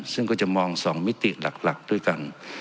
ซึ่งก็จะมอง๒มิติหลักด้วยกัน